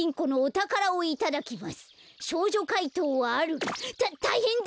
たたいへんだ！